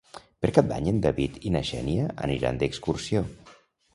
Per Cap d'Any en David i na Xènia aniran d'excursió.